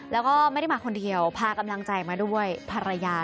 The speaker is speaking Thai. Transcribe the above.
แล้วก็ไม่ได้มาคนเดียวพากำลังใจมาด้วยภรรยา